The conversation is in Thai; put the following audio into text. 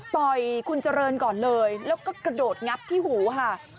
ต่อยคุณเจริญก่อนเลยแล้วก็กระโดดงับที่หูค่ะ